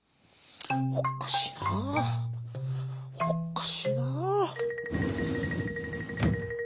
「おっかしいな。おっかしいな」。